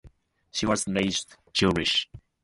She was raised Jewish.